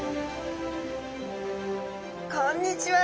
こんにちは。